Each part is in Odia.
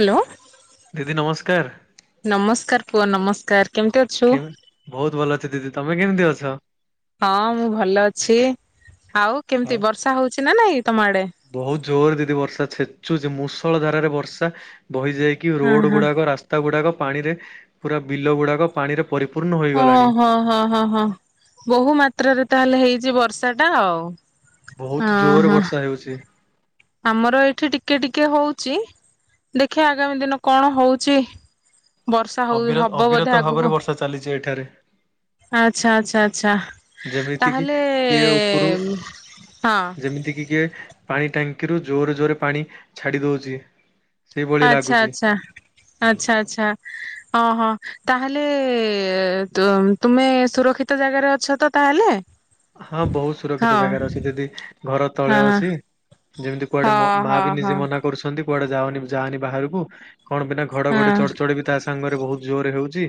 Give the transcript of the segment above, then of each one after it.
ହ୍ୟାଲୋ। ଦିଦି ନମସ୍କାର୍। ନମସ୍କାର ପୁଅ ନମସ୍କାର କେମିତି ଅ କେମ୍ ବହୁତ୍ ଭଲ ଅଛି ଦିଦି ତମେ କେମିତି ଅଛ? ହଁ ମୁଁ ଭଲ ଅଛି ଆଉ କେମିତି ବର୍ଷା ହଉଚି ନାଁ ନାଇଁ ତମ ଆଡେ? ବହୁତ ଜୋର ଦିଦି ବର୍ଷା ଛେଚୁଚି ମୁଷଳା ଧାରାରେ ବର୍ଷା ବହିଯାଇକି କି ହଁ ରୋଡ ହଁ ଗୁଡାକ ରାସ୍ତା ଗୁଡାକ ପାଣିରେ ପୁରା ବିଲ ଗୁଡାକ ପାଣିରେ ପରିପୂର୍ଣ୍ଣ ହେଗଲାଣି। ହଁ ହଁ ହଁ ହଁ ବୋହୁ ମାତ୍ରାରେ ତାହେଲେ ହେଇଚି ବର୍ଷା ଟା ଆଉ। ବହୁତ ହଁ ଜୋରେ ହଁ ବର୍ଷା ହେଉଚି। ଆମର ଏଇଠି ଟିକେ ଟିକେ ହଉଚି। ଦେଖିବା ଆଗାମୀ ଦିନ କଣ ହଉଚି। ବର୍ଷା ହଉ ଅବିର ହବ ଅବିରତ ବୋଧେ ଭାବରେ ଆଗକୁ। ବର୍ଷା ଚାଲିଛି ଏଠାରେ ଆଚ୍ଛା ଆଚ୍ଛା ଆଚ୍ଛା ଆଛା ଯେମିତି ତାହଲେ ଯେମିତିକି କିଏ ପାଣି ଟାଙ୍କିରୁ ଜୋରେ ଜୋରେ ପାଣି ଛାଡ଼ିଦୋଉଚି। ଆଚ୍ଛା ଆଚ୍ଛା ଆଚ୍ଛା ଆଚ୍ଛା। ହଁ ହଁ ତାହେଲେ ତୁ ତୁମେ ସୁରକ୍ଷିତ ଜାଗାରେ ଅଛ ତ ତାହେଲେ? ହଁ ବହୁତ ସୁରକ୍ଷିତ ହଁ ଜାଗାରେ ଅଛି ଦିଦି ଘର ତଳେ ହଁ ଅଛି। ଯେମିତି କୁଆଡେ ହଁ ମୋ ମା ହଁ ବି ହଁ ନିଜେ ମନା କରୁଛନ୍ତି କୁଆଡେ ଯାଅ ଯାଆନି ବାହାରକୁ କଣ ବିନା ଘଡ ଘଡ ହଁ ଚଢଚଢ଼ି ବି ତା ସାଙ୍ଗରେ ବହୁତ ଜୋର ହେଉଚି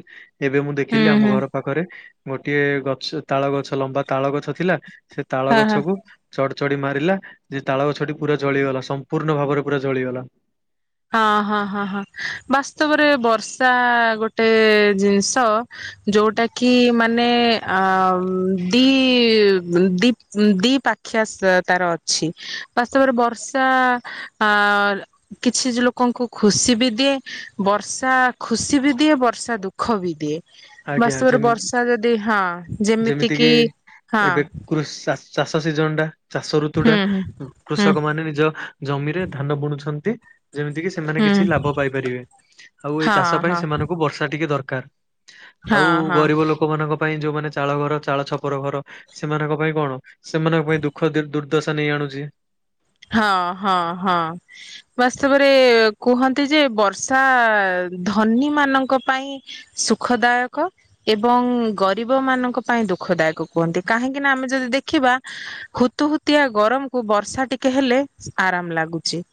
ଏବେ ମୁଁ ହୁଁ ଦେଖିଲି ଆମ ହୁଁ ଘର ପାଖରେ ଗୋଟିଏ ଗଛ ତାଳ ଗଛ ଲମ୍ବା ତାଳ ଗଛ ଥିଲା ସେ ତାଳ ହଁ ହଁ। ଗଛକୁ ଚଢ ଚଢି ମାରିଲା ଯେ ତାଳ ଗଛଟି ପୁରା ଜଝଳିଗଲା ସମ୍ପୂର୍ଣ୍ଣ ଭାବରେ ପୁରା ଜଳିଗଲା। ହଁ ହଁ ହଁ ହଁ ବାସ୍ତବରେ ବର୍ଷା ଗୋଟେ ଜିନିଷ ଯୋଉଟା କି ମାନେ ଅଁ ଦି ଦି ଦି ପାଖ୍ୟା ତାର ଅଛି ବାସ୍ତବରେ ବର୍ଷା ଆ କିଛି ଲୋକଙ୍କୁ ଖୁସି ବି ଦିଏ। ବର୍ଷା ଖୁସି ବି ଦିଏ ବର୍ଷା ଦୁଃଖ ବି ଦିଏ। ଆଜ୍ଞା ବାସ୍ତବରେ ଯେମି ବର୍ଷା ଯଦି ହଁ। ଯେମିତି କିି ହଁ ଏବେ କୃଷ ଷା ଚାଷ ସିଜନ୍ ଟା ଚାଷ ଋତୁ ଟା ହୁଁ ହୁଁ ହୁଁ କୃଷକ ମାନେ ନିଜ ଜମିରେ ଧାନ ବୁଣୁଛନ୍ତି ଯେମିତି କି ସେ ସେମାନେ ହୁଁ କିଛି ଲାଭ ପାଇପାରିବେ ଆଉ ଏ ହଁ ଚାଷ ହଁ ପାଇଁ ସେମାନଙ୍କୁ ବର୍ଷା ଟିକେ ଦରକାର। ଆଉ ହଁ ହଁ ଗରିବ ଲୋକମାନଙ୍କ ପାଇଁ ଯୋଉମାନେ ଚାଳ ଘର ଚାଳ ଛପର ଘର ସେମାନଙ୍କ ପାଇଁ କଣ ସେମାନଙ୍କ ପାଇଁ ଦୁଃଖ ଦୁର୍ଦ୍ଦଶା ନେଇ ଆଣୁଚି। ହଁ ହଁ ହଁ। ବାସ୍ତବରେ କୁହନ୍ତି ଯେ ବର୍ଷା ଧନୀ ମାନଙ୍କ ପାଇଁ ସୁଖଦାୟକ ଏବଂ ଗରିବ ମାନଙ୍କ ପାଇଁ ଦୁଃଖଦାୟକ କୁହନ୍ତି କାହିଁକି ନା ଆମେ ଯଦି ଦେଖିବା ହୁତୁ ହୁତିଆ ଗରମକୁ ବର୍ଷା ଟିକେ ହେଲେ ଆରାମ ଲାଗୁଚି।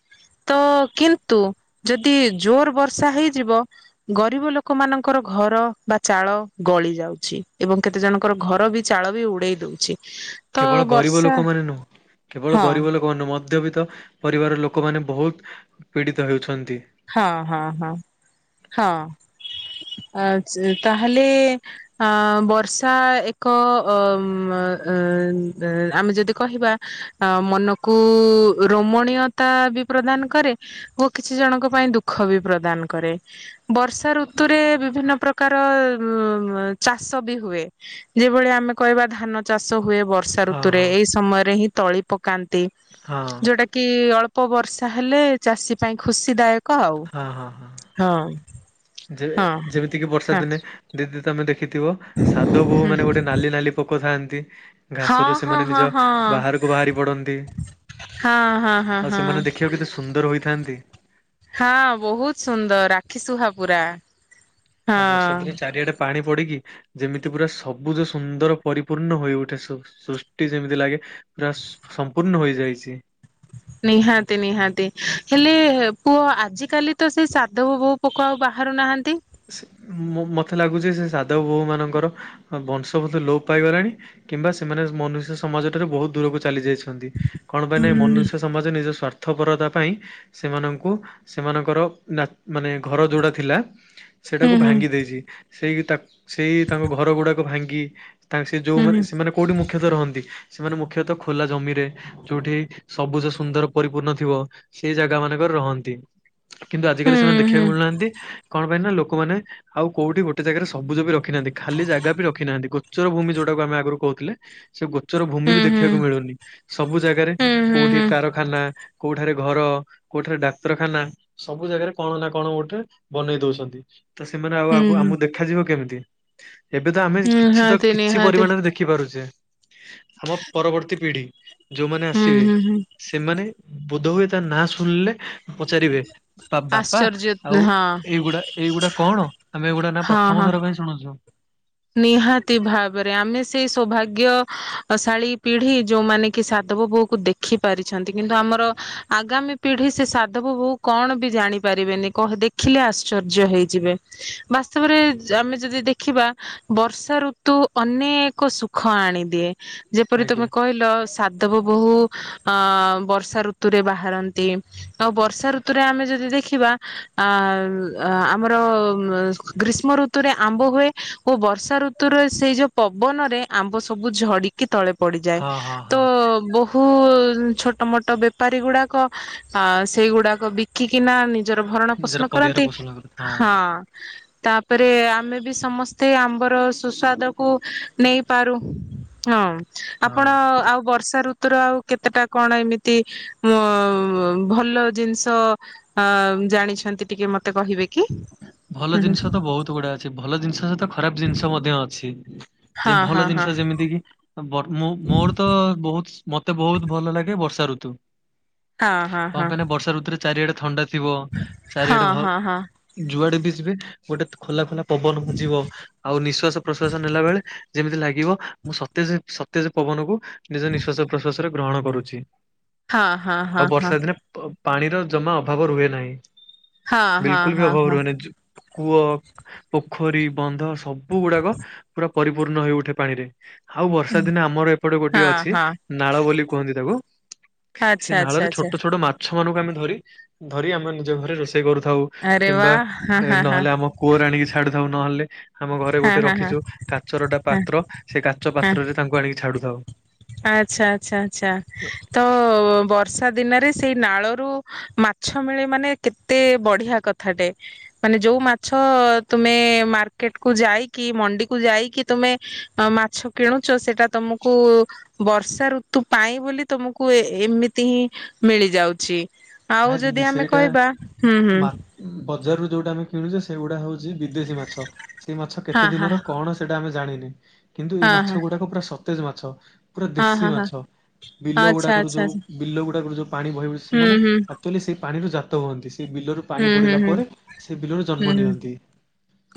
ତ କିନ୍ତୁ ଯଦି ଜୋର ବର୍ଷା ହେଇଯିବ ଗରିବ ଲୋକ ମାନଙ୍କର ଘର ବା ଚାଳ ଗଳି ଯାଉଚି ଏବଂ କେତେ ଜଣଙ୍କର ଘର ବି ଚାଳ ବି ଉଡେଇ ଦଉଚି। କେବଳ ଗରିବ ଲୋକ ମାନେ ନୁହଁ କେବଳ ହଁ ଗରିବ ଲୋକ ଲୋକମାନେ ମଧ୍ୟବିତ ପରିବାର ଲୋକମାନେ ବହୁତ ପୀଡିତ ହେଉଛନ୍ତି। ହଁ ହଁ ହଁ ହଁ ଆଜ ତାହେଲେ ଅଁ ବର୍ଷା ଏକ ଅ ଅମ ଏ ଏଁ ଆମେ ଯଦି କହିବା ଆ ମନକୁ ରୋମଣୀୟତା ବି ପ୍ରଦାନ କରେ ଓ କିଛି ଜଣଙ୍କ ପାଇଁ ଦୁଃଖ ବି ପ୍ରଦାନ କରେ। ବର୍ଷା ଋତୁରେ ବିଭିନ୍ନ ପ୍ରକାର ଉଁ ଚାଷ ବି ହୁଏ। ଯେଭଳି ଆମେ କହିବା ଧାନ ଚାଷ ହୁଏ ବର୍ଷ ବର୍ଷା ହଁ ଋତୁରେ ହଁ ଏଇ ସମୟରେ ହିଁ ତଳି ପକାନ୍ତି ହଁ ଯୋଉଟା କି ଅଳ୍ପ ବର୍ଷା ହେଲେ ଚାଷୀ ପାଇଁ ଖୁସିଦାୟକ ଆଉ ହଁ ହଁ ହଁ ହଁ ଯେ ହଁ ଯେମିତି କିି ବର୍ଷା ହଁ ଦିନେ ଦିଦି ତମେ ଦେଖିଥିବ ସାଧବ ବୋହୂ ହୁଁ ମାନେ ଗୋଟେ ନାଲି ନାଲି ପୋକଥାନ୍ତି ହଁ ଘାସରୁ ହଁ ସେମାନେ ହଁ ନିଜ ହଁ ବାହାରକୁ ବାହାରି ପଡନ୍ତି। ହଁ ହଁ ହଁ ଆଉ ସେମାନେ ହଁ। ଦେଖିବାକୁ କେତେ ସୁନ୍ଦର ହୋଇଥାନ୍ତି। ହଁ ବହୁତ ସୁନ୍ଦର ଆଖି ସୁୁହା ପୁରା। ଆଉ ବର୍ଷା ହଁ ଦିନରେ ଚାରିଆଡେ ପାଣି ପଡିକି ଯେମିତି ପୁରା ସବୁଜ ସୁନ୍ଦର ପରିପୂର୍ଣ୍ଣ ହୋଇଉଠେ ସୃଷ୍ଟି ଯେମିତି ଲାଗେ ପୁରା ସମ୍ପୂର୍ଣ୍ଣ ହୋଇଯାଇଛି। ନିହାତି ନିହାତି ହେଲେ ପୁଅ ଆଜିକାଲି ତ ସେଇ ସାଧବବୋହୂ ପୋକ ଆଉ ବାହାରୁ ନାହାନ୍ତି। ମତେ ଲାଗୁଛି ସେ ସାଧବବୋହୂ ମାନଙ୍କର ବଂଶ ବୋଧେ ଲୋପ ପାଇଗଲାଣି କିମ୍ବା ସେମାନେ ମନୁଷ୍ୟ ସମାଜ ଠାରୁ ବହୁତ ଦୂରକୁ ଚାଲି ଯାଇଛ ଛନ୍ତି କଣ ପାଇଁ ହୁଁ ନା ଏ ମନୁଷ୍ୟ ସମାଜ ନିଜ ସ୍ୱାର୍ଥପରତା ପାଇଁ ସେମାନଙ୍କୁ ସେମାନଙ୍କର ମାନେ ଘର ଯୋଉଡା ଥିଲା ହୁଁ ସେଇଟାକୁ ହୁଁ ଭାଙ୍ଗି ଦେଇଛି ସେଇ ତାକ ସେଇ ତାଙ୍କ ଘର ଗୁଡାକ ଭାଙ୍ଗି ତାଙ୍କ ସେ ଯୋଉମାନେ ହୁଁ ସେମାନେ କୋଉଠି ମୁଖ୍ୟତଃ ରହନ୍ତି ସେମାନେ ମୁଖ୍ୟତଃ ଖୋଲା ଜମିରେ ଯଉଠି ସବୁଜ ସୁନ୍ଦର ପରିପୂର୍ଣ୍ଣ ଥିବ ସେଇ ଜାଗା ମାନଙ୍କରେ ରହନ୍ତି। କିନ୍ତୁ ଆଜିକାଲି ସେମାନେ ହୁଁ। ଦେଖିବାକୁ ମିଳୁନାହାନ୍ତି କଣ ପାଇଁ ନା ଲୋକମାନେ ଆଉ କୋଉଠି ଗୋଟେ ଜାଗାରେ ସବୁଜ ବି ରଖିନାହାନ୍ତି ଖାଲି ଜାଗା ବି ରଖି ନାହାନ୍ତି ଗୋଚର ଭୂମି ଯୋଉଟାକୁ ଆମେ ଆଗରୁ କହୁଥିଲେ ସେ ଗୋଚର ଭୂମି ହୁଁ ବି ହୁଁ ହୁଁ ଦେଖିବାକୁ ମିଳୁନି। ସବୁ ଜାଗାରେ ହୁଁ ହୁଁ ହୁଁ କୋଉଠି ହୁଁ। କାରଖାନା କୋଉଠାରେ ଘର କୋଉଠାରେ ଡାକ୍ତରଖାନା ସବୁ ଜାଗାରେ କଣ ନା କଣ ଗୋଟେ ବନେଇ ଦଉଛନ୍ତି ତ ସେମାନେ ଆଉ ଆଗ ହୁଁ ହୁଁ ଆମକୁ ଦେଖାଯିବ କେମିତି। ଏବେ ତ ଆମେ କିଛି ତ ନିହାତି କିଛି ନିହାତି ପରିମାଣରେ ଦେଖ ଦେଖିପାରୁଛେ ଆମ ପରବର୍ତ୍ତୀ ପିଢି ଯୋଉମାନେ ହୁଁ ଆସିବେ ହୁଁ ହୁଁ ସେମାନେ ବୋଧ ହୁଏ ତା ନାଁ ଶୁଣିଲେ ପଚାରିବେ ବାପା ଆଶ୍ଚର୍ଯ୍ୟ ଆଉ ହଁ ଏଇଗୁଡା ଏଇଗୁଡା କଣ? ଆମେ ଏଗୁଡା ନା ହଁ ହଁ ପ୍ରଥମଥର ପାଇଁ ଶୁଣୁଛୁ। ନିହାତି ଭାବରେ ଆମେ ସେଇ ସୌଭାଗ୍ୟଶାଳୀ ପିଢି ଯୋଉମାନେ କି ସାଧବବୋହୂ କୁ ଦେଖ ଦେଖି ପାରିଛନ୍ତି କିନ୍ତୁ ଆମର ଆଗାମୀ ପିଢି ସେ ସାଧବ ବୋହୁ କଣ ବି ଜାଣିପାରିବେନି କହ ଦେଖିଲେ ଆଶ୍ଚର୍ଯ୍ୟ ହେଇଯିବେ। ବାସ୍ତବରେ ଆମେ ଯଦି ଦେଖିବା ବର୍ଷା ଋତୁ ଅନେକ ସୁଖ ଆଣିଦିଏ। ଯେପରି ଆଜ୍ଞା ତମେ କହିଲ ସାଧବ ବୋହୁ ଅ ବର୍ଷା ଋତୁରେ ବାହାରନ୍ତି। ଆଉ ବର୍ଷା ଋତୁରେ ଆମେ ଯଦି ଦେଖିବା ଅ ଆମର ଗ୍ରୀଷ୍ମ ଋ ଋତୁରେ ଆମ୍ବ ହୁଏ ଓ ବର୍ଷା ଋତୁରେ ସେଇ ଯୋଉ ପବନରେ ଆମ୍ବ ସବୁ ଝଡି କି ତଳେ ପଡିଯାଏ ହଁ ହଁ ତ ହଁ ବହୁ ଖୁ ଛୋଟ ମୋଟ ବେପାରୀ ଗୁଡାକ ଆ ସେଇଗୁଡାକ ବିକିକିନା ନି ନିଜର ଭରଣ ଯାର ପୋଷଣ ପରିବାର କରନ୍ତି ପୋଷଣ କରୁ ହଁ ତାପରେ ଆମେ ବି ସମ ମତେ ଆମ୍ବର ସୁସ୍ୱାଦକୁ ନେଇପାରୁ ହଁ ଆପଣ ହଁ। ଆଉ ବର୍ଷା ଋତୁ ଋତୁର ଆଉ କେତେଟା କଣ ଏମିତି ଅ ଭଲ ଜିନିଷ ଅ ଜାଣିଛନ୍ତି ଟିକେ ମତେ କହିବେ କି? ଭଲ ଜିନିଷ ତ ବହୁତ ଗୁଡା ଅଛି। ଭଲ ଜିନିଷ ସହିତ ଖରାପ ଜିନିଷ ମଧ୍ୟ ଅଛି। ଯେ ହଁ ହଁ ଭଲ ହଁ ଜିନିଷ ଯେମିତି କି ବର ମୋର ତ ବହୁତ ମତେ ବହୁତ ଭଲ ଲାଗେ ବର୍ଷା ଋତୁ, ହଁ ହଁ କଣ ହଁ ପାଇଁ ନା ବର୍ଷା ଋତୁରେ ଚାରିଆଡେ ଥଣ୍ଡା ଥିବ ହଁ ଚାରିଆଡେ ଭ ହଁ ହଁ। ଯୁଆଡେ ବି ଯିବେ ଗୋଟେ ଖୋଲା ଖୋଲା ପବନ ଭଜିବ ଆଉ ନିଶ୍ବାାସ ପ୍ରଶ୍ଵାସ ନେଲା ବେଳେ ଯେମିତି ଲାଗିବ ମୁଁ ସତେଜ ସତେଜ ପବନକୁ ନିଜ ନିଃଶ୍ଵାସ ପ୍ରଶ୍ଵାସ ରେ ଗ୍ରହଣ କରୁଛି, ହଁ ହଁ ହଁ ଆଉ ହଁ ବର୍ଷା ଦିନେ ପାଣିର ଜମା ଅଭାବ ରୁହେ ନାହିଁ। ହଁ ହଁ ହଁ ବିଲକୁଲ ବି ହଁ ଅଭାବ ରୁହେ ନାହିଁ, କୁଅ ପୋଖରୀ, ବନ୍ଧ ସବୁ ଗୁଡାକ ପୁରା ପରିପୂର୍ଣ୍ଣ ହେଇଉଠେ ପାଣି ରେ। ଆଉ ବର୍ଷା ଦିନେ ଆମର ଏପଟେ ଗୋଟଏ ହଁ ଅଛି, ହଁ ନାଳ ବୋଲି କୁହନ୍ତି ତାକୁ ସେ ଆଚ୍ଛା ଆଚ୍ଛା ନାଳରେ ଆଚ୍ଛା। ଛୋଟ ଛୋଟ ମାଛ ମାନଙ୍କୁ ଆମେ ଧରି ଧରି ଆମେ ନିଜ ଘରେ ରୋଷେଇ କରୁଥାଉ। ଆରେ କିମ୍ବା ୱା। ନହେଲେ ଆମ କୂଅର ଆଣିକି ଛାଡୁଥାଉ ନହେଲେ ଆମ ଘରେ ଗୋଟେ ହଁ ହଁ ରଖିଛୁ କାଚରଟା ହଁ ପାତ୍ର, ସେ କାଚ ହଁ ପାତ୍ରରେ ତାଙ୍କୁ ଆଣିକି ଛାଡୁଥାଉ। ଆଚ୍ଛା ଆଚ୍ଛା ଆଚ୍ଛା, ତ ବ ର୍ଷା ଦିନରେ ସେଇ ନାଳରୁ ମାଛ ମିଳେ ମାନେ କେତେ ବଢିଆ କଥାଟେ। ମାନେ ଯୋଉ ମାଛ ତୁମେ ମାର୍କେଟ କୁ ଯାଇକି ମଣ୍ଡିକୁୁ ଯାଇକି ତୁମେ ଅ ମାଛ କିଣୁଛ ସେଟା ତମକୁ ବର୍ଷା ଋତୁ ପାଇଁ ବୋଲି ତୁମକୁ ଏମିତି ହିଁ ମିଳିଯାଉଛି। ନାଇଁ ଆଉ ଯଦି ଆମେ କହିବା, ହୁଁ ହୁଁ ବଜାରୁ ଯୋଉଟା ଆମେ କିଣୁଛେ ସେଗୁଡା ହଉଛି ବିଦେଶୀ ମାଛ, ସେଇ ମାଛ କେତେ ହଁ ହଁ ଦିନର କଣ ସେଇଟା ଆମେ ଜାଣିନେ, କିନ୍ତୁ ଏଇ ହଁ ହଁ ମାଛ ଗୁଡାକ ପୁରା ସତେଜ ମାଛ। ପୁରା ହଁ ଦେଶୀ ହଁ ହଁ ମାଛ। ବିଲ ଆଚ୍ଛା ଗୁଡାକରୁ ଆଚ୍ଛା ଯୋଉ ଆଚ୍ଛା ବିଲ ଗୁଡାକରୁ ଯୋଉ ପାଣି ବହିିବ ହୁଁ ସେମାନେ ହୁଁ ଚୁଏଲି ସେଇ ପାଣିରୁ ଜାତ ହୁଅନ୍ତି, ସେ ବିଲରୁ ପାଣି ହୁଁ ପଡିଲା ହୁଁ ପରେ ସେ ବିଲରେ ହୁଁ ଜନ୍ମ ନିଅନ୍ତି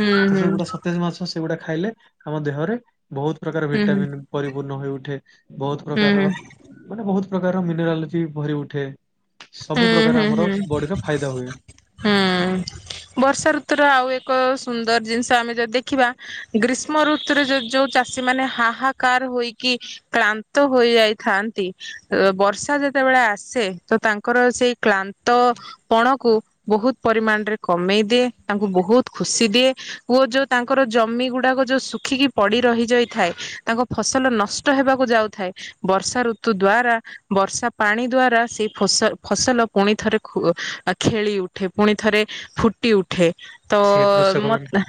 ହୁଁ ତ ହୁଁ ସେ ଗୁଡା ତେଜ ମାଛ, ସେଗୁଡା ଖାଇଲେ ଆମ ଦେହରେ ବହୁତ ପ୍ରକାର ହୁଁ ହୁଁ ହୁଁ ହୁଁ ଭିଟାମିନ ପରିପୂର୍ଣ୍ଣ ହୋଇଉଠେ। ବହୁତ ପ୍ରକାରର ମାନେ ବହୁତ ପ୍ରକାର ମିନେରାଲୋଜି ଭରି ଉଠେ। ସବୁ ହୁଁ ପ୍ରକାର ହୁଁ ଆମର ହୁଁ ବଡିର ଫାଇଦା ହୁଏ। ହୁଁ ବର୍ଷା ଋତୁୁର ଆଉ ଏକ ସୁନ୍ଦର ଜିନିଷ ଆମେ ଯଦି ଦେଖିବା ଗ୍ରୀଷ୍ମ ଋତୁରେ ଯ ଯୋଉ ଚାଷୀ ମାନେ ହାହାକାର ହୋଇକି କ୍ଳାନ୍ତ ହୋଇଯାଇଥାନ୍ତି, ଅ ବର୍ଷା ଯେତେବେଳେ ଆସେ ତ ତାଙ୍କ ତାଙ୍କର ସେଇ କ୍ଳାନ୍ତ ପଣକୁ ବହୁତ ପରିମାଣରେ କମେଇ ଦିଏ, ତାଙ୍କୁ ବହୁତ ଖୁସି ଦିଏ ଓ ଯୋଉ ତାଙ୍କର ଜମି ଗୁଡାକ ଯୋଉ ଖିକି ପଡ଼ି ରହିଯାଇଥାଏ, ତାଙ୍କ ଫସଲ ନଷ୍ଟ ହେବାକୁ ଯାଉଥାଏ ବର୍ଷା ଋତୁ ଦ୍ଵାରା ବର୍ଷା ପାଣି ଦ୍ଵାରା ସେଇ ଫସ ଫସଲ ପୁଣି ଥରେ ଖୁ ଖେଳି ଉଠେ, ପୁଣି ଥରେ ଫୁଟି ଉଠେ। ତ ସେ କୃଷକ ମତ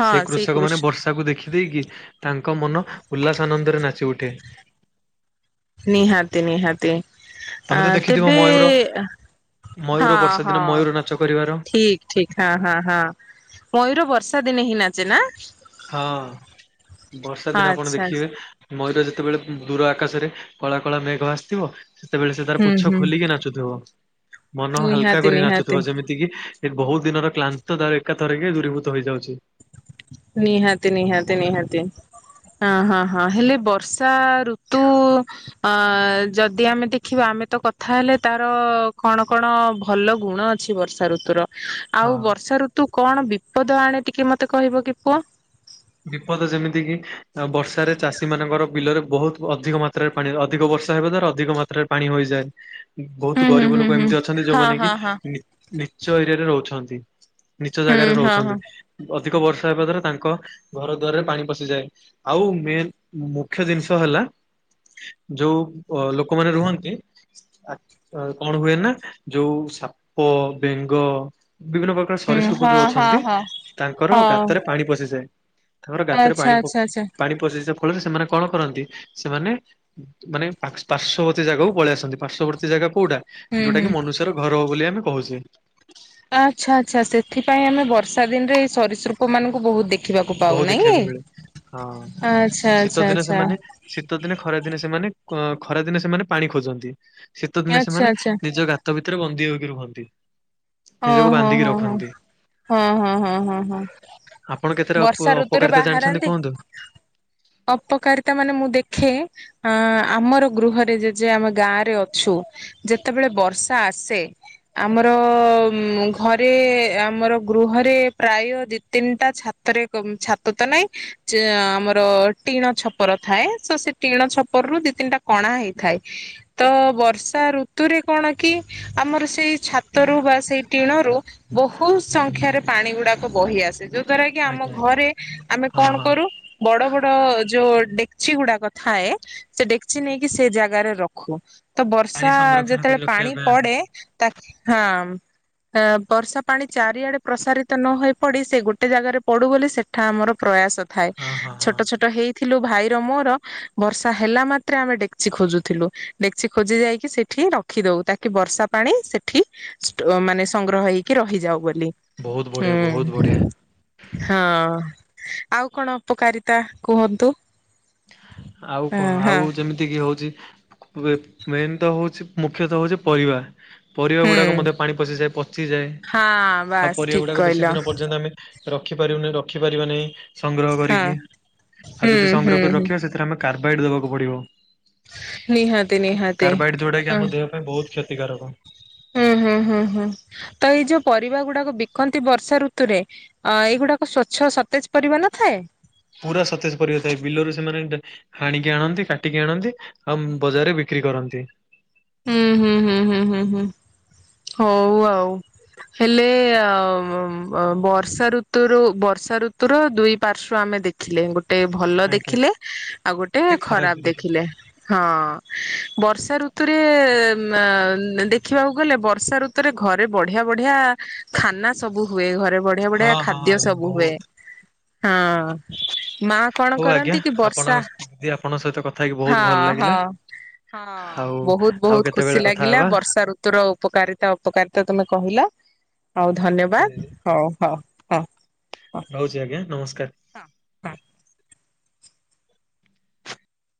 ହଁ ଶ୍ରୀକୃଷ ତାକୁ ଦେଖିଦେଇକି ତାଙ୍କ ମନ ଉଲ୍ଲାସ ଆନନ୍ଦରେ ନାଚି ଉଠେ। ନିହାତି ନିହାତି। ଅ ତମେ ତ ଦେଖିଥିବ ତେବେ ମୟୂର ହଁ ମୟୂର ବର୍ଷା ହଁ ଦିନ ମୟୂର ନାଚ କରିବାର ଠିକ ଠିକ ହଁ ହଁ ହଁ, ମୟୂର ବର୍ଷା ଦିନେ ହିଁ ନାଚେ ନା? ହଁ ବର୍ଷା ଦିନ ଆପଣ ଆଚ୍ଛା ଆଚ୍ଛା ଦେଖିବେ ମୟୂର ଯେତେବେଳେ ଦୂର ଆକାଶରେ କଳା କଳା ମେଘ ଆସିଥିବ ସେତେବେଳେ ସେ ତାର ହୁଁ ପୁଛ ହୁଁ ଖୋଲିକି ନାଚୁଥିବ, ମନ ହାଲକା ନିହାତି କରିକି ନିହାତି ନାଚୁଥିବ, ଯେମିତି ତିକି ଏ ବହୁ ଦିନର କ୍ଲାନ୍ତ [unintelligible] ଏକାଥରେକେ ଦୂରୀଭୂତ ହେଇଯାଉଛି। ନିହାତି ନିହାତି ନିହାତି। ଅ ହଁ ହଁ ହେଲେ ବର୍ଷା ଋତୁ। ଅ ଯଦି ଆମେ ଦେଖିବା ଆମେ ତ କଥା ହେଲେ ତାର କଣ କଣ ଭଲ ଗୁଣ। ଛି ବର୍ଷା ଋତୁୁର ହଁ ଆଉ ବର୍ଷା ଋତୁ କଣ ବିପଦ ଆଣେ ଟିକେ ମତେ କହିବ କି ପୁଅ। ବିପଦ ଯେମିତି କିି ଅ ବର୍ଷାରେ ଚାଷୀ ମାନଙ୍କର ବିଲରେ ବହୁତ ଅଧିକ ମାତ୍ରା। ପାଣି ଅଧିକ ବର୍ଷା ହେବା ଦ୍ଵାରା ଅଧିକ ମାତ୍ରାରେ ପାଣି ହୋଇଯାଏ ବହୁ ହୁଁ ତ ହୁଁ ଗରିବ ହୁଁ ଲୋକ ହୁଁ ଏମିତି ଅଛନ୍ତି ହଁ ଯୋଉମାନେ କି ହଁ ହଁ ନି ନିଚ ଏରିଆରେ ରହୁଛନ୍ତି ନିଚ ହୁଁ ଜାଗାରେ ହଁ ହଁ ରହୁଛନ୍ତି। ଅଧିକ ବର୍ଷା ହେବା ଦ୍ୱାରା ତାଙ୍କ। ଘର ଦୁଆରରେ ପାଣି ପଶିଯାଏ। ଆଉ ମେନ୍ ମୁଖ୍ୟ ଜିନିଷ ହେଲା। ଯୋଉ ଅ ଲୋକମାନେ ରୁହନ୍ତି। ଆ ଆ କଣ ହୁଏ ନା ଯୋଉ ସାପ, ବେଙ୍ଗ ବିଭିନ୍ନ ପ୍ର ର ହୁଁ ସରୀସୃପ ହଁ ଯୋଉ ହଁ ଅଛନ୍ତି ହଁ ତାଙ୍କର ହଉ ଗାତରେ ପାଣି ପଶିଯାଏ। ତାଙ୍କର ଗାତରେ ଆଚ୍ଛା ପାଣି ପ ଆଚ୍ଛା ଆଚ୍ଛା ପାଣି ପଶି ଯିବା ଫଳରେ ସେମାନେ କଣ କରନ୍ତି ସେମାନେ। ଉଁ ମାନେ ପାଶ ପାର୍ଶ୍ୱବର୍ତ୍ତୀ ଜାଗାକୁ ପଳେଇଆସନ୍ତି। ପାର୍ଶ୍ୱବର୍ତ୍ତୀ ଜାଗା କୋଉଟା? ହୁଁ ଯୋଉଟା ହୁଁ କି ମନୁଷ୍ୟର ଘର ବୋଲି ଆମେ କହୁଛେ। ଆଚ୍ଛା ଆଚ୍ଛା ସେଥିପାଇଁ ଆମେ ବର୍ଷା ଦିନରେ ଏଇ ସରିସୃପ ମାନଙ୍କୁ ବହୁ ଦେ ବହୁ ଦେଖିବାକୁ ମିଳେ ହଁ ଆଚ୍ଛା ଆଚ୍ଛା ଶୀତ ଦିନେ ଆଚ୍ଛା ସେମାନେ। ଶୀତ ଦିନେ ଖରାଦିନେ ସେମାନେ ଅଁ ଖରା ଦିନେ ସେମାନେ ପାଣି ଖୋଜନ୍ତି ଶୀତ ଦିନେ ଆଚ୍ଛା ସେମାନେ ଆଚ୍ଛା ନିଜ ଗା ତ ଭିତରେ ବନ୍ଦୀ ହୋଇକି ରୁହନ୍ତି। ଓ ନିଜକୁ ହୋ ବାନ୍ଧିକି ହଁ ହଁ ରଖନ୍ତି। ହଁ ହଁ ହଁ ହଁ ହଁ। ଆପଣ କେତେରେ ଅପ ବର୍ଷା ଋତୁରେ ଅପକାରିତା ବାହାରାନ୍ତି ଜାଣିଛନ୍ତି କୁହନ୍ତୁ? ଅପକାରିତା ମାନେ ମୁଁ ଦେଖେ। ଆଁ ଆମର ଗୃହରେ ଯେଜେ ଆମେ ଗାଁରେ ଅଛୁ। ଯେତେବେଳେ ବର୍ଷା ଆସେ। ଆମର ଉଁ ଘରେ ଆମର ଗୃହରେ ପ୍ରାୟ ଦି, ତିନିଟା ଛା ତରେ କ ମ ଛାତ ତ ନାଇଁ। ଯେ ଆମର ଟିଣ ଛପର ଥାଏ ତ ସେ ଟିଣ ଛପରରୁୁ ଦି, ତିନିଟା କଣା ହେଇଥାଏ। ତ ବର୍ଷା ଋତୁରେ କଣ କି। ଆମର ସେଇ ଛାତରୁ ବା ସେଇ ଟିଣରୁ। ବହୁତ ସଂଖ୍ୟାରେ ପାଣି ଗୁଡାକ ବୋହି ଆସେ ଯୋଉ ଦ୍ଵାରା କି ଆମ ଆଜ୍ଞା ଆଜ୍ଞା ଘରେ ଆମେ ହଁ କଣ ହଁ କରୁ। ବଡ ବଡ ଯୋଉ ଡେକ୍ଚି ଗୁଡାକ ଥାଏ। ସେ ଡେକ୍ଚି ନେଇକି ସେ ଜାଗାରେ ରଖୁ ତ ପାଣି ବର୍ଷା ସଂରକ୍ଷଣ କରି ଯେତେବେଳେ ରଖିବା ପାଣି ପାଇଁ ଆଗକୁ ପଡେ। ତା ହଁ। ଅ ବର୍ଷା ପାଣି ଚାରିଆଡେ ପ୍ରସାରିତ ନ ହୋଇ ପଡି ସେ ଗୋଟେ ଜାଗାରେ। ପଡୁ ବୋଲି ସେଠା ଆମର ପ୍ରୟାସ ଥାଏ ହଁ ହଁ ହଁ ଛୋଟ ଛୋଟ ହେଇ। ଥିଲୁ ଭାଇର ମୋର ବର୍ଷା ହେଲା ମାତ୍ରେ ଆମେ ଡେକ୍ଚି ଖୋଜୁଥିଲୁ ଡେକ୍ଚି ଖୋଜି ଯାଇକି ସେଠି ର ଖି ଦଉ ତାକି ବର୍ଷା ପାଣି ସେଠି ଷ୍ଟ ମାନେ ସଂଗ୍ରହ ହେଇ କି ରହିଯାଉ ବୋଲି ବହୁତ ବଢିଆ ବହୁତ ବଢିଆ ହୁଁ। ହଁ। ଆଉ କଣ ଅପକାରିତା କୁହନ୍ତୁ? ଆଉ ହଁ କଣ ହଁ ଆଉ ଯେମି ତିକି ହଉଚି ବେ ମେନ୍ ତ ହଉଚି ମୁଖ୍ୟ ତ ହଉଚି ପରିବା। ପରିବା ହୁଁ ଗୁଡ଼ାକ ମଧ୍ୟ ପାଣି ପଶିଯାଏ ପଚିଯାଏ ହଁ ଆଉ ବାସ୍ ପରିବା ଠିକ ଗୁଡ଼ାକ କହିଲ ବେଶୀ ଦିନ ପର୍ଯ୍ୟନ୍ତ ଆମେ। ରଖିପାରିବୁନି ରଖିପାରିବା ନାହିଁ ସଂଗ୍ରହ ହଁ କରିକି ଆଉ ହୁଁ ଯଦି ହୁଁ ସଂଗ୍ରହ କରି ହୁଁ ରଖିବା ସେଥିରେ ଆମେ କାର୍ବାଇଡ ଦବାକୁ ପଡ଼ିବ ନିହାତି ନିହାତି କାର୍ବାଇଡ ଯୋଉଟା କି ହଁ ଆମ ଦେହ ପାଇଁ ବୋହୁତ୍ କ୍ଷତିକାରକ। ହୁଁ ହୁଁ ହୁଁ ହୁଁ ତ ଏଇ ଯୋଉ ପରିବା ଗୁଡ଼ାକ ବିକନ୍ତି ବର୍ଷା ଋତୁରେ ଅ ଏଇ ଗୁଡ଼ାକ ସ୍ଵଚ୍ଛ ସତେଜ୍ ପରିବା ନଥାଏ? ପୁରା ସତେଜ୍ ପରିବା ଥାଏ ବିଲରୁ ସେମାନେ ଡା ହାଣିକି ଆଣନ୍ତି କାଟିକି ଆଣନ୍ତି ଆଉ ବଜାରରେ ବିକ୍ରି କରନ୍ତି। ହୁଁ ହୁଁ ହୁଁ ହୁଁ ହୁଁ ହୁଁ ହୋଉ ଆଉ। ହେଲେ [unintelligible] ବର୍ଷା ଋ ଋତୁରୁ ବର୍ଷା ଋତୁୁର ଦୁଇ ପାର୍ଶ୍ଵ ଆମେ ଦେଖିଲେ ଗୋ ଟେ ଭଲ ଆଜ୍ଞା। ଦେଖିଲେ ଆଉ ଗୋଟେ ଖରାପ ବି ଖରାପ୍ ଦେଖିଲି ଦେଖିଲେ। ହଁ ବର୍ଷା ଋ ତୁରେ [unintelligible] ଦେଖିବାକୁ ଗଲେ ବର୍ଷା ଋତୁରେ ଘରେ ବଢ଼ିଆ ବଢ଼ିଆ ଖାନା ସବୁ ହୁଏ ଘରେ ବଢ଼ିଆ ବଢ଼ିଆ ହଁ ହଁ ଖାଦ୍ୟ ଆଜ୍ଞା ସବୁ ହୁଏ। ବହୁତ ହଁ ମା କଣ ହଉ ଆଜ୍ଞା କରନ୍ତି କି ଆପଣ ବର୍ଷା ଦିଦି ଆପଣଙ୍କ ସହିତ କଥା ହେଇକି ବହୁତ ହଁ ଭଲ ହଁ। ଲାଗିଲା ହଁ ଆଉ ବୋହୁତ୍ ଆଉ ବୋହୁତ୍ କେତେବେଳେ ଖୁସି କଥା ଲାଗିଲା ହବା ବ ର୍ଷା ଋତୁର ଉପକାରିତା ଅପକାରିତା ତମେ କହିଲ ଆଉ ଧନ୍ୟବାଦ ହଉ ହଉ। ହଁ ହଁ ରହୁଚି ଆଜ୍ଞା ନମସ୍କାର। ହଁ।